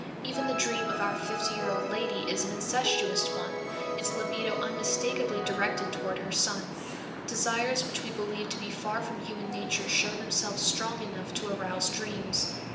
Even the dream of our fifty year old lady is an incestuous one, its libido unmistakably directed toward her son. Desires which we believe to be far from human nature show themselves strong enough to arouse dreams.